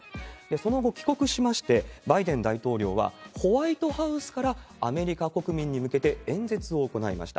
その後、帰国しまして、バイデン大統領はホワイトハウスからアメリカ国民に向けて演説を行いました。